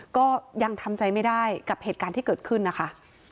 ก็ยังทำใจไม่ได้กับเหตุการณ์ที่เกิดขึ้นนะคะ